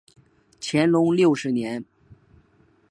乾隆六十年。